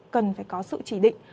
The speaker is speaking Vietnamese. cần phải có sự chỉ định